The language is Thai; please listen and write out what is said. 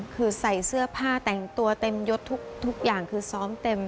คือใส่เสื้อผ้าแต่งตัวเต็มยดทุกอย่างคือซ้อมเต็ม